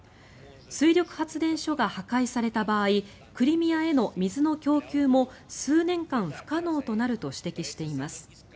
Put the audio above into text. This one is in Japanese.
水力発電所が破壊された場合クリミアへの水の供給も数年間、不可能となると指摘しています。